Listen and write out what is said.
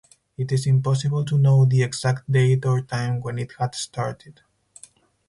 It is impossible to know the exact date or time when it had started.